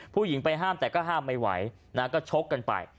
ผู้หญิงไปห้ามแต่ก็ห้ามไม่ไหวนะก็ชกกันไป